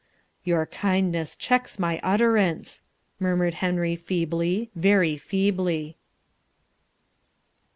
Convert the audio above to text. "Your kindness checks my utterance," murmured Henry feebly, very feebly.